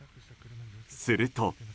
すると。